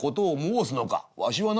わしはな